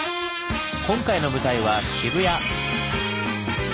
今回の舞台は渋谷！